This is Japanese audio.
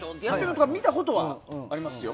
見たことはありますよ。